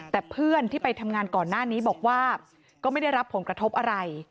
แต่เพื่อนที่ไปทำงานก่อนหน้านี้บอกว่าก็ไม่ได้รับผลกระทบอะไร